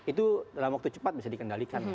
itu dalam waktu cepat bisa dikendalikan